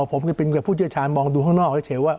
ผมก็เป็นผู้เยื้อชาญมองดูข้างนอกได้เห็นว่า